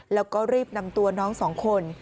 แล้วก็รีบนำตัวน้องสองคน